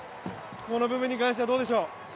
この部分に関してはどうでしょう？